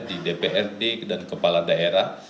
di dprd dan kepala daerah